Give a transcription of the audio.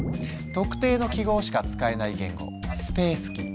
特定の記号しか使えない言語「スペースキー」。